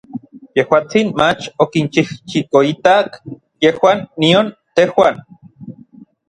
Yejuatsin mach okinchijchikoitak yejuan nion tejuan.